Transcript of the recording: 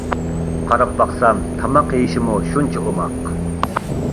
قاراپ باقسام تاماق يېيىشىمۇ شۇنچە ئوماق.